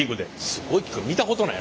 すごい器具見たことない。